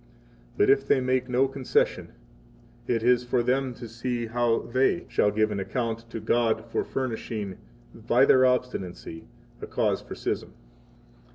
But if they make no concession, it is for them to see how they shall give account to God for furnishing, by their obstinacy, a cause for schism.